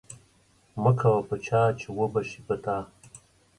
مکوه په چا چی و به سی په تا